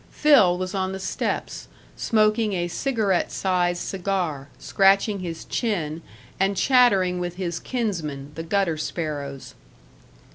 Phil was on the steps, smoking a cigarette sized cigar, scratching his chin, and chattering with his kinsmen, the gutter sparrows.